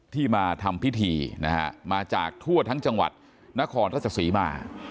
ที่มาทำพิธีนะครับมาจากทั่วทั้งจังหวัดนครรัฐศักดิ์ศรีมา